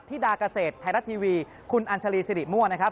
ที่ดากเศษไทยรัตน์ทีวีคุณอัญชาลีสิริม่วงนะครับ